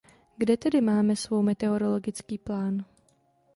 Kde tedy máme svou meteorologický plán?